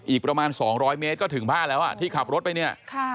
อีกประมาณ๒๐๐เมตรก็ถึงบ้านแล้วที่ขับรถไปเนี่ย